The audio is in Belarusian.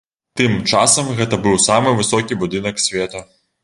Тым часам гэта быў самы высокі будынак свету.